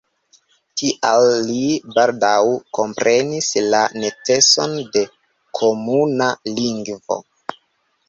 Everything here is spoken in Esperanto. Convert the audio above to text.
Tial li baldaŭ komprenis la neceson de komuna lingvo.